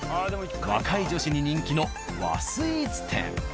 若い女子に人気の和スイーツ店。